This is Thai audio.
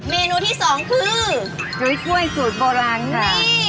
เมนูที่สองคือจุ้ยกล้วยสูตรโบราณค่ะ